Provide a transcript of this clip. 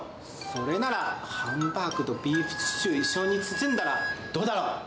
それなら、ハンバーグとビーフシチューを一緒に包んだらどうだろう？